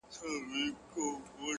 هره پرېکړه نوی مسیر جوړوي،